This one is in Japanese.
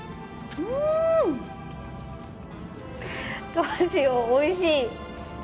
どうしよう、おいしい。